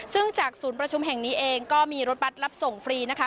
ซึ่งจากศูนย์ประชุมแห่งนี้เองก็มีรถบัตรรับส่งฟรีนะคะ